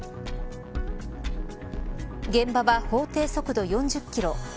現場は法定速度４０キロ。